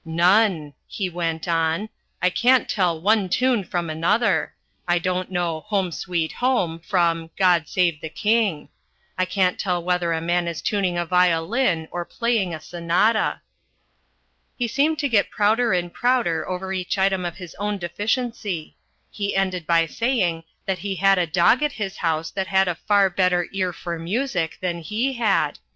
"None!" he went on. "I can't tell one tune from another. I don't know Home, Sweet Home from God Save the King. I can't tell whether a man is tuning a violin or playing a sonata." He seemed to get prouder and prouder over each item of his own deficiency. He ended by saying that he had a dog at his house that had a far better ear for music than he had.